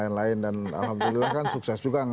jika tidak pintu para penjara ajaulah jadi jawabnya